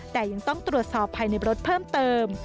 แต่ยังต้องตรวจสอบภายในรถเพิ่มเติม